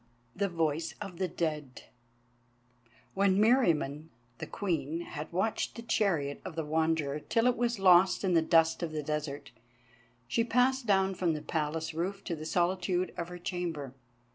THE VOICE OF THE DEAD When Meriamun the Queen had watched the chariot of the Wanderer till it was lost in the dust of the desert, she passed down from the Palace roof to the solitude of her chamber.